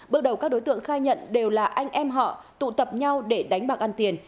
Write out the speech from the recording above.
bước đầu các đối tượng khai nhận đều là anh em họ tụ tập nhau để đánh bạc ăn tiền